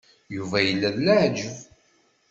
Yuba yella d leɛǧeb.